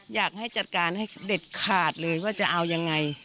อยากให้จัดการให้เด็ดขาดเลยว่าจะเอายังไง